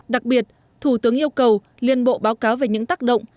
đặc biệt thủ tướng yêu cầu liên bộ báo cáo về những tác động